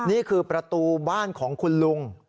นี่คือประตูบ้านของคุณลุง